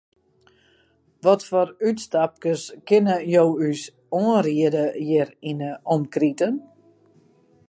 Watfoar útstapkes kinne jo ús oanriede hjir yn 'e omkriten?